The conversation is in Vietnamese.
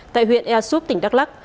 tại huyện ea suốt tp hcm